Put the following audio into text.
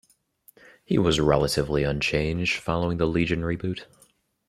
He was relatively unchanged following the Legion Reboot.